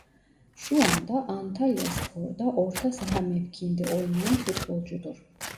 Şu an da Antalyaspor'da orta saha mevkiinde oynayan futbolcudur.